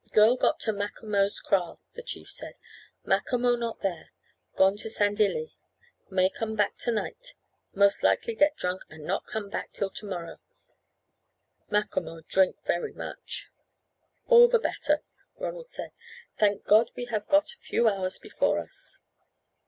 "Girl got to Macomo's kraal," the chief said. "Macomo not there. Gone to Sandilli. May come back to night. Most likely get drunk and not come back till to morrow. Macomo drink very much." "All the better," Ronald said. "Thank God we have got a few hours before us."